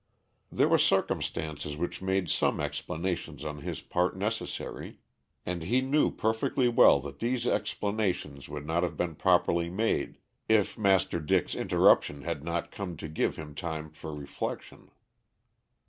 There were circumstances which made some explanations on his part necessary, and he knew perfectly well that these explanations would not have been properly made if Master Dick's interruption had not come to give him time for reflection.